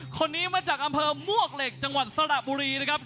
คนนี้มาจากอำเภอมวกเหล็กจังหวัดสระบุรีนะครับ